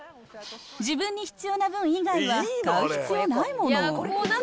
自分に必要な分以外は買う必要ないもの。